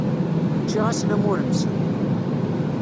Ččiɣ-asen amur-nsen.